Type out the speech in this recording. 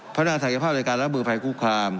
พนาปศักยภาพโดยการรักมือภายคู่คาม